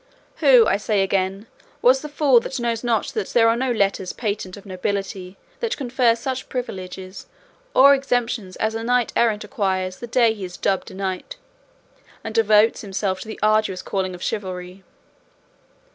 Who, I say again, was the fool that knows not that there are no letters patent of nobility that confer such privileges or exemptions as a knight errant acquires the day he is dubbed a knight, and devotes himself to the arduous calling of chivalry?